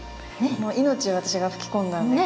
命を私が吹き込んだんで。